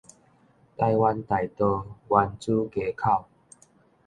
臺灣大道原子街口